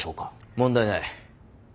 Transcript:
問題ない。